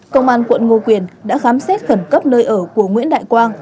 công an quận ngô quyền đã khám xét khẩn cấp nơi ở của nguyễn đại quang